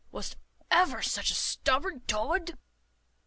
Was ever such a stubborn tuoad?"